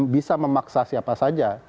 bisa memaksa siapa saja